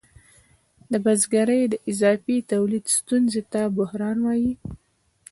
د بزګرۍ د اضافي تولید ستونزې ته بحران وايي